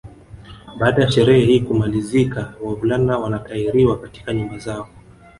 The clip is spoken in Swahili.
Baada ya sherehe hii kumalizika wavulana wanatahiriwa katika nyumba zao